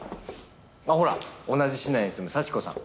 あっほら同じ市内に住む幸子さん。